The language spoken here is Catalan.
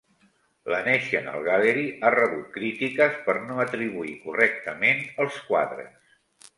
La National Gallery ha rebut crítiques per no atribuir correctament els quadres.